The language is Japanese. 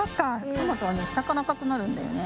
トマトはねしたからあかくなるんだよね。